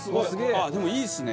でもいいですね。